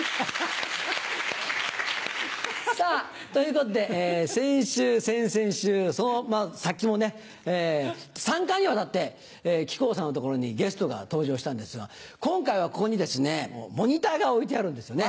さぁということで先週先々週その先もね３回にわたって木久扇さんの所にゲストが登場したんですが今回はここにですねモニターが置いてあるんですよね。